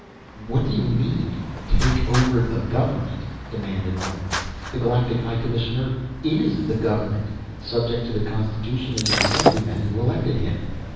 "What do you mean take over the government?" demanded Orne. "The Galactic High Commissioner is the government subject to the Constitution and the Assemblymen who elected him."